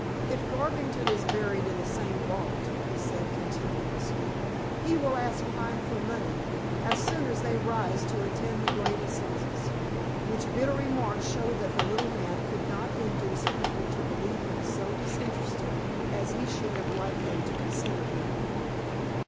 "If Garvington is buried in the same vault," he said contemptuously, "he will ask Pine for money, as soon as they rise to attend the Great Assizes!" which bitter remark showed that the little man could not induce people to believe him so disinterested as he should have liked them to consider him.